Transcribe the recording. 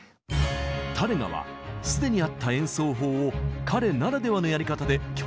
タレガは既にあった演奏法を彼ならではのやり方で曲に使いました。